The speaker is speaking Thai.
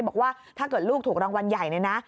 บอกว่าถ้าเกิดลูกถูกรางวัลใหญ่เนี่ยนะ